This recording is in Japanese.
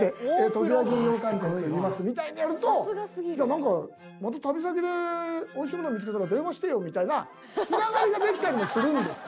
「常盤木羊羹店といいます」みたいにやると「じゃあなんかまた旅先でおいしいもの見付けたら電話してよ」みたいなつながりができたりもするんです。